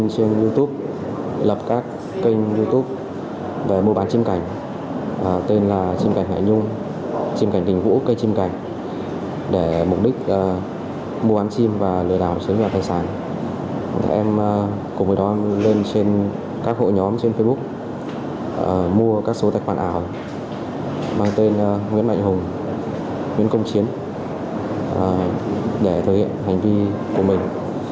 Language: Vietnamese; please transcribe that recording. sau đó lân lập ra trang facebook mua các số tài khoản ảo mang tên nguyễn mạnh hùng nguyễn công chiến để thể hiện hành vi của mình